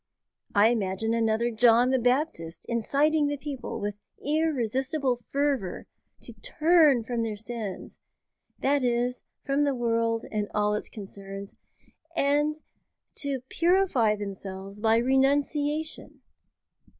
I imagine another John the Baptist inciting the people, with irresistible fervour, to turn from their sins that is, from the world and all its concerns and to purify themselves by Renunciation.